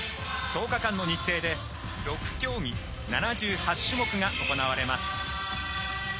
１０日間の日程で６競技７８種目が行われます。